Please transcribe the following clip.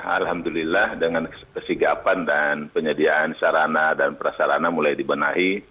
alhamdulillah dengan kesigapan dan penyediaan sarana dan prasarana mulai dibenahi